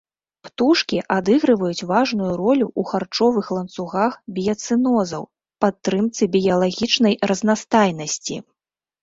Птушкі адыгрываюць важную ролю ў харчовых ланцугах біяцэнозаў, падтрымцы біялагічнай разнастайнасці.